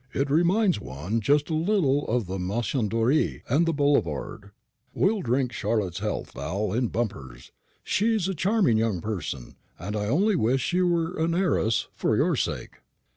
It reminds one just a little of the Maison Dorée and the boulevard. We'll drink Charlotte Halliday's health, Val, in bumpers. She's a charming young person, and I only wish she were an heiress, for your sake."